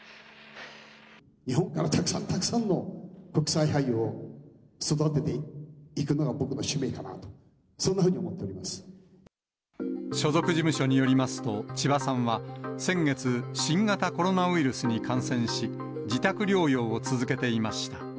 日本からたくさんたくさんの国際俳優を育てていくのが僕の使命かなと、そんな風に思っており所属事務所によりますと、千葉さんは、先月、新型コロナウイルスに感染し、自宅療養を続けていました。